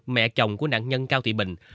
mẹ chồng của nạn nhân cao thị bình